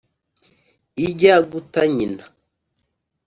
ijya guta nyina